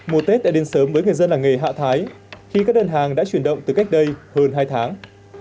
mùa tết đã đến sớm với người dân làng nghề hạ thái khi các đơn hàng đã chuyển động từ cách đây hơn hai tháng